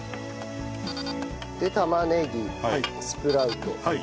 で玉ねぎスプラウト。